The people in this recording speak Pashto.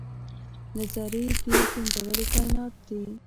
له ذرې دې پنځولي کاینات دي